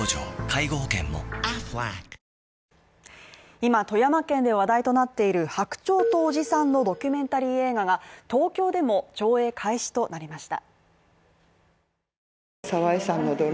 今富山県で話題となっている白鳥とおじさんのドキュメンタリー映画が東京でも上映開始となりました。